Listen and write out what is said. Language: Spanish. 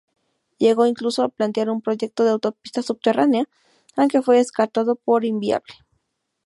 Llegó incluso a plantear un proyecto de autopista subterránea, aunque fue descartado por inviable.